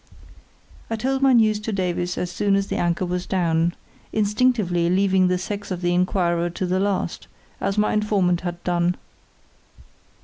I told my news to Davies as soon as the anchor was down, instinctively leaving the sex of the inquirer to the last, as my informant had done.